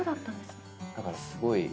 だからすごい。